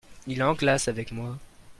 Il est en classe avec moi.